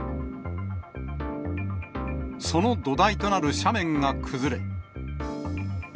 その土台となる斜面が崩れ。